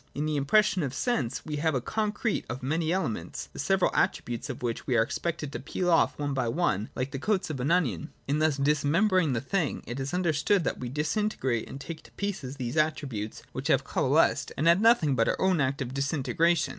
In the impression of sense we have a concrete of many elements, the several attributes of which we are expected to peel off one by one, like the coats of an onion. In thus dismembering the thing, it is understood that we disintegrate and take to pieces these attributes which have coalesced, and add nothing but our own act of disintegration.